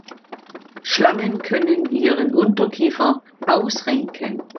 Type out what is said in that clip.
Schlangen können ihren Unterkiefer ausrenken.